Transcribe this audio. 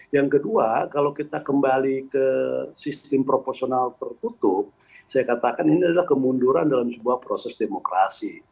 yang kedua kalau kita kembali ke sistem proporsional tertutup saya katakan ini adalah kemunduran dalam sebuah proses demokrasi